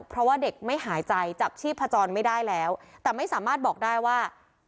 เพราะว่าเด็กไม่หายใจจับชีพจรไม่ได้แล้วแต่ไม่สามารถบอกได้ว่า